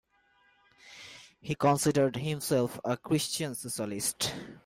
He considered himself a "christian socialist".